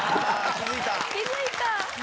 気づいた！